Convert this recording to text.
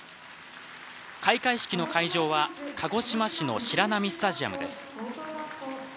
開会式の会場は鹿児島市の白波スタジアムです。